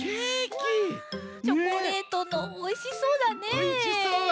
チョコレートのおいしそうだね。